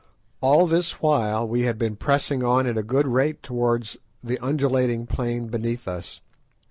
All this while we had been pressing on at a good rate towards the undulating plain beneath us.